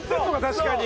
確かに。